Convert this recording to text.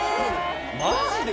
マジで？